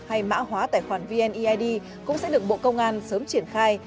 hay mã hóa tài khoản vneid cũng sẽ được bộ công an sớm triển khai